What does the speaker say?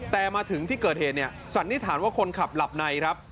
แต่มาถึงที่เกิดเหตุเนี่ยสันนิษฐานว่าคนขับหลับในครับ